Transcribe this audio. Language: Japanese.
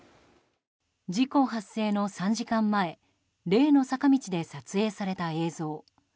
事故発生の３時間前例の坂道で撮影された映像。